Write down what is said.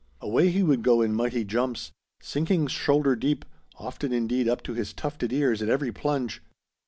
Away he would go in mighty jumps, sinking shoulder deep, often indeed up to his tufted ears, at every plunge.